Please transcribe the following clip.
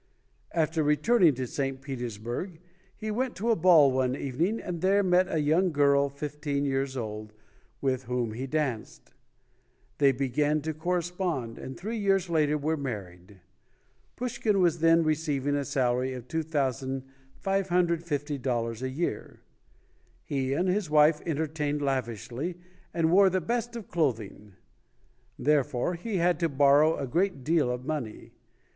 After returning to St. Petersburg, he went to a ball one evening, and there met a young girl fifteen years old, with whom he danced. They be gan to correspond, and three years later were married. Pushkin was then receiving a salary of $2,550 a year. He and his wife entertained lav ishly and wore the best of clothing; therefore he had to borrow a great deal of money.